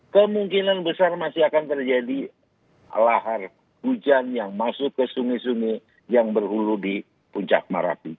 kemungkinan besar masih akan terjadi lahar hujan yang masuk ke sungai sungai yang berhulu di puncak marapi